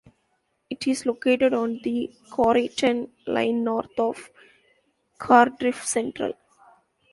It is located on the Coryton Line north of Cardiff Central.